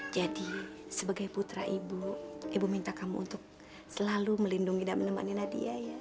jadi sebagai putra ibu ibu minta kamu untuk selalu melindungi dan menemani nadia ya